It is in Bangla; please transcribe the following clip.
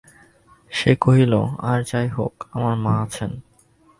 সে কহিল, আর যাই হউক, আমার মা আছেন।